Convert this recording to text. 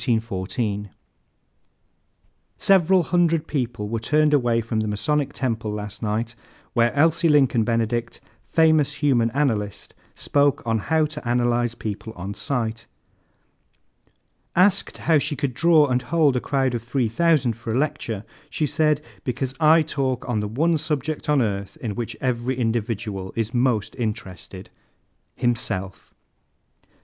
_ "Several hundred people were turned away from the Masonic Temple last night where Elsie Lincoln Benedict, famous human analyst, spoke on 'How to Analyze People on Sight.' Asked how she could draw and hold a crowd of 3,000 for a lecture, she said: 'Because I talk on the one subject on earth in which every individual is most interested himself.'"